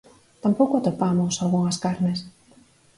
Tampouco atopamos algunhas carnes.